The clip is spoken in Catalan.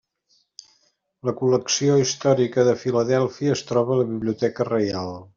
La col·lecció històrica de Filadèlfia es troba a la Biblioteca Reial.